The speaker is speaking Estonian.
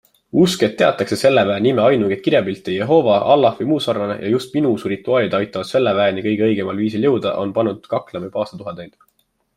Usk, et teatakse selle väe nime ainuõiget kirjapilti - Jehoova, Allah vms ja just minu usu rituaalid aitavad selle väeni kõige õigemal viisil jõuda, on pannud kaklema juba aastatuhandeid.